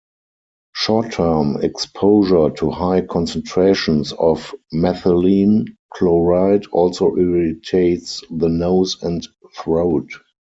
Short-term exposure to high concentrations of methylene chloride also irritates the nose and throat.